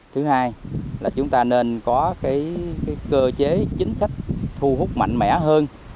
thứ hai là chúng ta nên có cơ chế chính sách thu hút mạnh mẽ hơn